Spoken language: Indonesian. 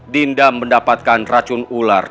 dinda mendapatkan racun ular